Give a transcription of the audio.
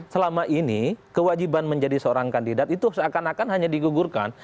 selama ini kewajiban menjadi seorang kandidat itu seakan akan hanya digugurkan